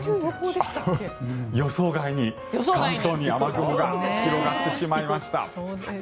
予想外に、関東に雨雲が広がってしまいました。